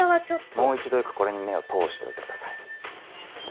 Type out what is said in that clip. もう一度よくこれに目を通しておいてください。